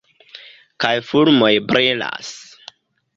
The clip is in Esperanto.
Kaj fulmoj brilas!